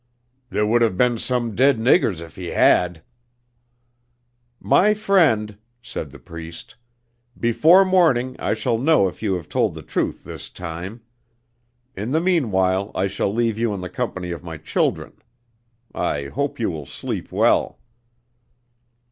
"There would have been some dead niggers if he had." "My friend," said the Priest, "before morning I shall know if you have told the truth this time. In the meanwhile I shall leave you in the company of my children. I hope you will sleep well."